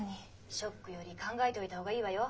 ショックより考えといた方がいいわよ。